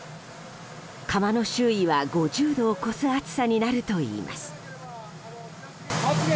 窯の周囲は５０度を超す暑さになるといいます。